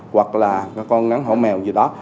hoặc là con rắn hậu mèo